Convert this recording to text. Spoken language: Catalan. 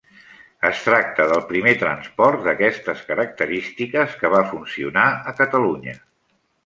Es tracta del primer transport d'aquestes característiques que va funcionar a Catalunya.